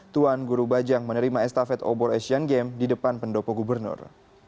tuan guru bajang menerima estafet obor asian games di depan pendopo gubernur